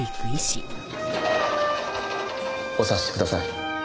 お察しください。